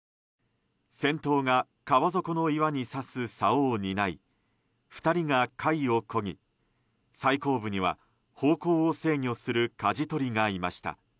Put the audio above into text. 先頭が川底の岩に刺すさおを担い２人が、かいを漕ぎ最後部には方向を制御するかじ取りがいました。